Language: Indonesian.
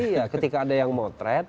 iya ketika ada yang motret